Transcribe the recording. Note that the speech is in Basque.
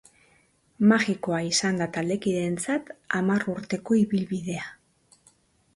Magikoa izan da taldekideentzat hamar urteko ibilbidea.